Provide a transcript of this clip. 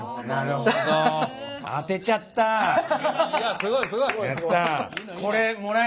すごいすごい。